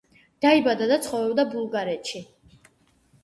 დაიბადა და ცხოვრობდა ბულგარეთში.